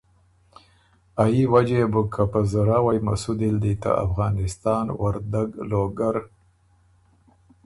ا يي وجه يې بُک که په زراوئ مسودی ال دی ته افغانستان وردګ، لوګر